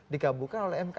dikabulkan oleh mk